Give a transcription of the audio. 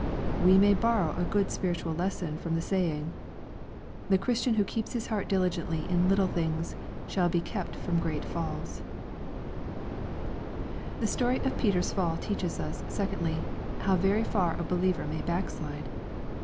We may borrow a good spiritual lesson from the saying. The Christian who keeps his heart diligently in little things shall be kept from great falls^ The story of Peter's fall teaches us, secondly, how very far a believer may backslide.